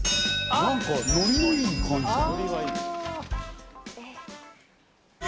なんかノリのいい感じだな。